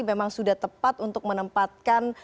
memang sudah tepat untuk menempatkan